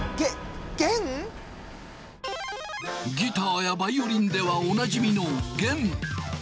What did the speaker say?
ギターやバイオリンではおなじみの弦。